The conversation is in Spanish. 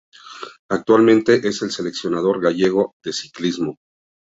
Actualmente, es el seleccionador gallego de ciclismo.